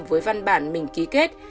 với văn bản mình ký kết